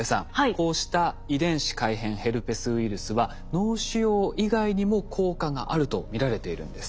こうした遺伝子改変ヘルペスウイルスは脳腫瘍以外にも効果があると見られているんです。